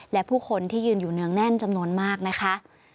และผู้คนที่ยืนอยู่เนืองแน่นจำนวนมากนะคะ